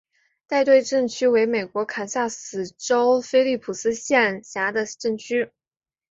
代顿镇区为美国堪萨斯州菲利普斯县辖下的镇区。